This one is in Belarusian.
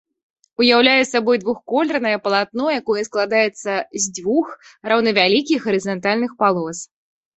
Уяўляе сабой двухколернае палатно, якое складаецца з дзвюх роўнавялікіх гарызантальных палос.